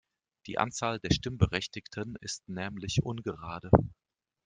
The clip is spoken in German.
Die Anzahl der Stimmberechtigten ist nämlich ungerade.